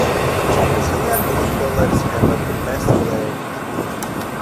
Brazilian footballers have the best flair.